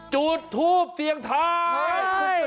จุดทูบเสียงไทย